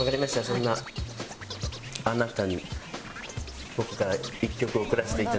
そんなあなたに僕から一曲贈らせていただきます。